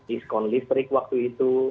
iskon listrik waktu itu